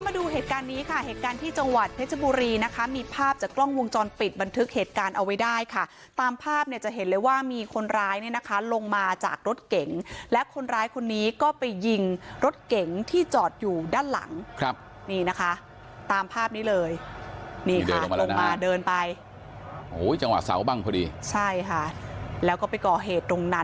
มาดูเหตุการณ์นี้ค่ะเหตุการณ์ที่จังหวัดเพชรบุรีนะคะมีภาพจากกล้องวงจรปิดบันทึกเหตุการณ์เอาไว้ได้ค่ะตามภาพเนี่ยจะเห็นเลยว่ามีคนร้ายเนี่ยนะคะลงมาจากรถเก๋งและคนร้ายคนนี้ก็ไปยิงรถเก๋งที่จอดอยู่ด้านหลังครับนี่นะคะตามภาพนี้เลยนี่ค่ะลงมาเดินไปโอ้ยจังหวะเสาบังพอดีใช่ค่ะแล้วก็ไปก่อเหตุตรงนั้น